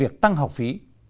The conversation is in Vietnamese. việc tăng học phí